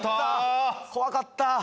よかった。